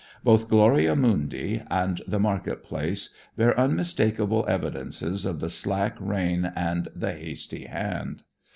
Both "Gloria Mundi" and "The Market Place" bear unmistakable evidences of the slack rein and the hasty hand.